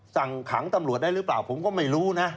สั่งขังตำรวจได้หรือเปล่าผมก็ไม่รู้นะ